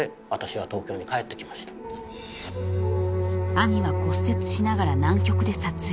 ［兄は骨折しながら南極で撮影］